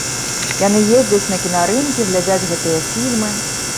Яны ездзяць на кінарынкі, глядзяць гэтыя фільмы.